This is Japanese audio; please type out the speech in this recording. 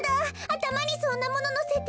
たまにそんなもののせて。